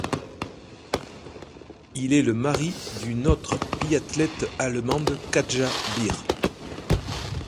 Il est le mari d'une autre biathlète allemande Katja Beer.